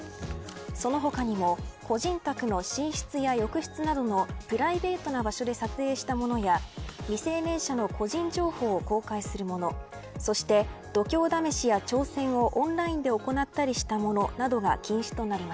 その他にも個人宅の寝室や浴室などのプライベートな場所で撮影したものや未成年者の個人情報を公開するものそして、度胸試しや挑戦をオンラインで行ったりしたもの